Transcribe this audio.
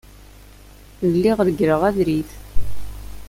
Lliɣ reggleɣ abrid.